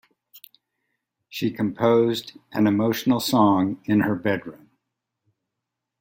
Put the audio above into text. She composed an emotional song in her bedroom.